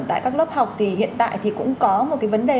tại các lớp học thì hiện tại thì cũng có một cái vấn đề